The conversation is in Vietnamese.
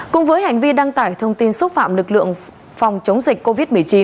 cùng với hành vi đăng tải thông tin xúc phạm lực lượng phòng chống dịch covid một mươi chín